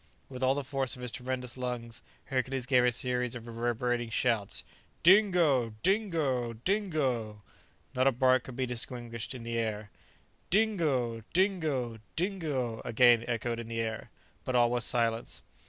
With all the force of his tremendous lungs, Hercules gave a series of reverberating shouts: "Dingo! Dingo! Dingo!" Not a bark could be distinguished in reply "Dingo! Dingo! Dingo!" again echoed in the air. But all was silence.